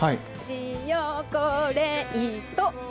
チヨコレイト。